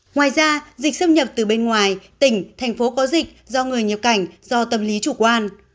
ngoài ra dịch xâm nhập từ bên ngoài tỉnh thành phố có dịch do người nhập cảnh do tâm lý chủ quan